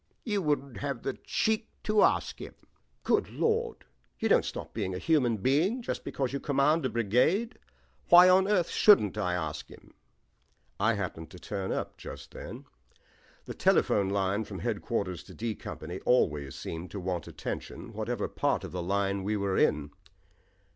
"You wouldn't have the cheek to ask him." "Good lord, you don't stop being a human being, because you command a brigade. Why on earth shouldn't I ask him?" I happened to turn up just then. The telephone line from headquarters to D Company always seemed to want attention, whatever part of the line we were in.